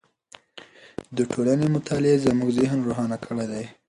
د ټولنې مطالعې زموږ ذهن روښانه کړی دی.